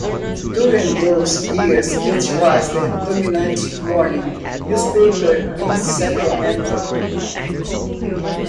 During those years it was the dominant morning newspaper in Sacramento.